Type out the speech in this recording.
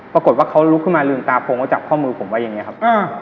ปรากฏว่าเขาลุกขึ้นมาลืมตาโพงแล้วจับข้อมือผมไว้อย่างนี้ครับ